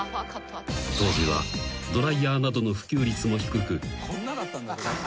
［当時はドライヤーなどの普及率も低く］